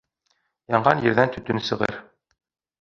Янған ерҙән төтөн сығыр.